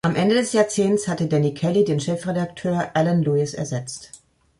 Am Ende des Jahrzehnts hatte Danny Kelly den Chefredakteur Alan Lewis ersetzt.